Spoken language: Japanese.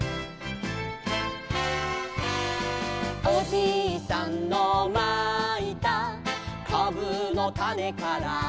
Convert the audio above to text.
「おじいさんのまいたかぶのたねから」